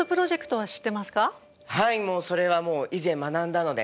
はいそれはもう以前学んだので。